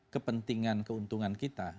kepentingan keuntungan kita